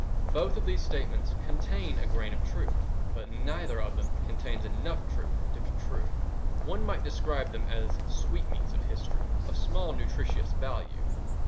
Both of these statements contain a grain of truth, but neither of them contains enough truth to be true. One might describe them as sweetmeats of history of small nutritious value.